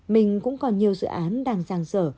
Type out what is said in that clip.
mình cũng còn nhiều dự án đang giang dở